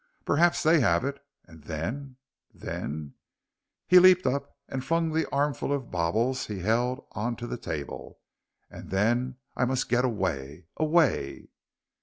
"Perhaps they have it, and then then," he leaped up and flung the armful of baubles he held on to the deal table, "and then I must get away away."